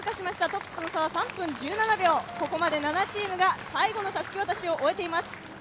トップとの差は３分１７秒、ここまで７チームがたすき渡しを終えています。